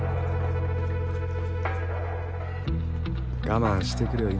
我慢してくれよ。